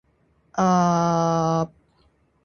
音韻の違いは、音色の違いである。